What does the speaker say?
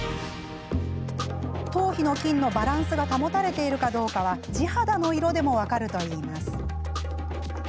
頭皮の菌のバランスが保たれているかどうかは地肌の色でも分かるといいます。